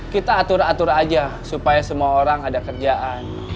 kita atur atur aja supaya semua orang ada kerjaan